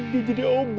dia jadi ob